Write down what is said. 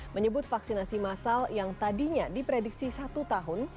menyebut vaksinasi massal yang tadinya diprediksi satu tahun